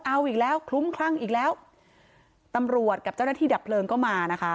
เอาอีกแล้วคลุ้มคลั่งอีกแล้วตำรวจกับเจ้าหน้าที่ดับเพลิงก็มานะคะ